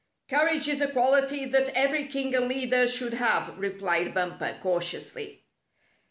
"Courage is a quality that every king and leader should have," replied Bumper, cautiously.